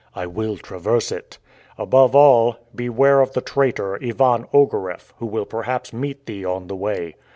"I will traverse it." "Above all, beware of the traitor, Ivan Ogareff, who will perhaps meet thee on the way."